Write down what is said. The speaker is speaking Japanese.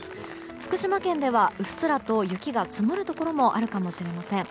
福島県ではうっすらと雪が積もるところもあるかもしれません。